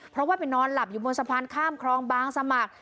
เพราะว่าไปนอนหลับอยู่บนสะพานข้ามคลองบางสมัคร